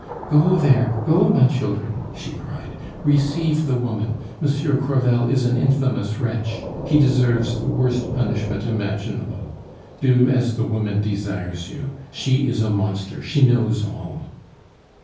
"Go there, go, my children!" she cried. "Receive the woman! Monsieur Crevel is an infamous wretch. He deserves the worst punishment imaginable. Do as the woman desires you! She is a monster she knows all!"